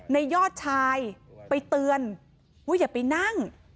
ยอดชายไปเตือนว่าอย่าไปนั่ง